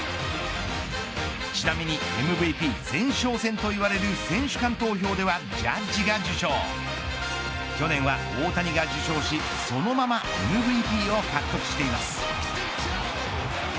ちなみにＭＶＰ前哨戦といわれる選手間投票ではジャッジが受賞去年は大谷が受賞し、そのままＭＶＰを獲得しています。